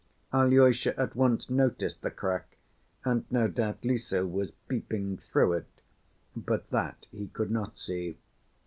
Alyosha at once noticed the crack, and no doubt Lise was peeping through it, but that he could not see.